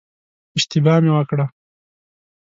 اشتباه مې وکړه.